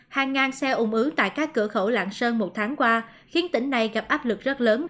hàng ngàn xe ủng ứng tại các cửa khẩu làng sơn một tháng qua khiến tỉnh này gặp áp lực rất lớn